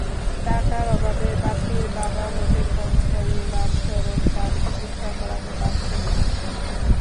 টাকার অভাবে বাপ্পির বাবা হোটেল কর্মচারী রামচরণ তাঁর চিকিৎসা করাতে পারছেন না।